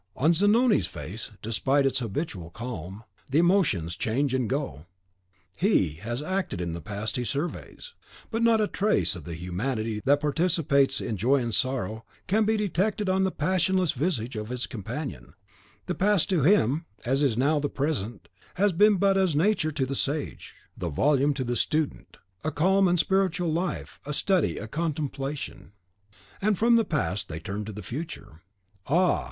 On Zanoni's face, despite its habitual calm, the emotions change and go. HE has acted in the past he surveys; but not a trace of the humanity that participates in joy and sorrow can be detected on the passionless visage of his companion; the past, to him, as is now the present, has been but as Nature to the sage, the volume to the student, a calm and spiritual life, a study, a contemplation. From the past they turn to the future. Ah!